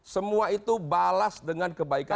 semua itu balas dengan kebaikan